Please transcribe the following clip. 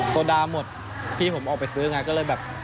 โซดาหมดพี่ผมออกไปซื้อไงก็เลยแบบ